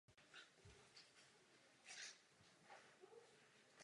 Druh se vyskytuje v tropické Asii od Malajsie přes Novou Guineu po Tichomoří.